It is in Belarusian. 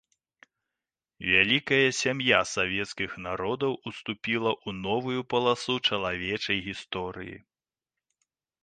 Вялікая сям'я савецкіх народаў уступіла ў новую паласу чалавечай гісторыі.